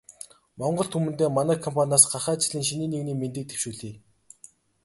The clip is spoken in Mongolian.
Монгол түмэндээ манай компаниас гахай жилийн шинийн нэгний мэндийг дэвшүүлье.